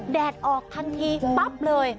แดดออกทันทีปั๊บเลย